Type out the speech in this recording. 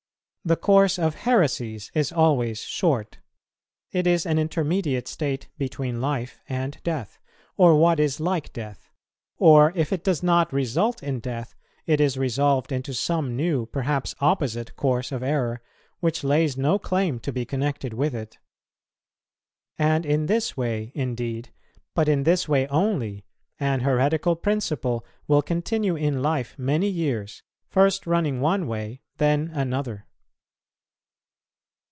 The course of heresies is always short; it is an intermediate state between life and death, or what is like death; or, if it does not result in death, it is resolved into some new, perhaps opposite, course of error, which lays no claim to be connected with it. And in this way indeed, but in this way only, an heretical principle will continue in life many years, first running one way, then another.